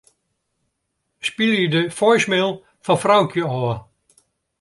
Spylje de voicemail fan Froukje ôf.